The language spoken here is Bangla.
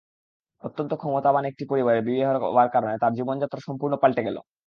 অত্যন্ত ক্ষমতাবান একটি পরিবারে বিয়ে হবার কারণে তার জীবনযাত্রা সম্পূর্ণ পাল্টে গেল।